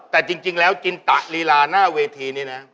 แต่จริงแล้วจินตะลีลาหน้าเวทีนี้นะ